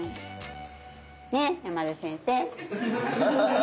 ね山田先生！